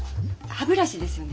歯ブラシですよね。